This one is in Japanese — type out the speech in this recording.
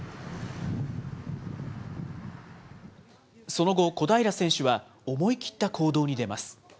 その後、小平選手は思い切った行動に出ます。